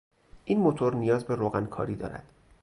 این موتور نیاز به روغن کاری دارد.